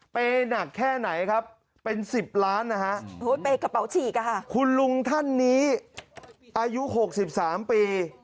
เปย์หนักแค่ไหนครับเป็น๑๐ล้านคุณลุงท่านนี้อายุ๖๓ปี